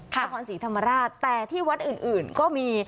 นครศรีธรรมราชแต่ที่วัดอื่นก็มี